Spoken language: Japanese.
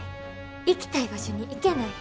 行きたい場所に行けない。